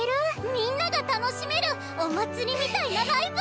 みんなが楽しめるお祭りみたいなライブ！